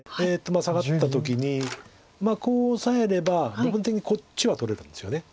サガった時にこうオサえれば部分的にこっちは取れるんですよね。